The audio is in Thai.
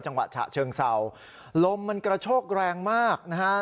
จังหวัดฉะเชิงเศร้าลมมันกระโชกแรงมากนะฮะ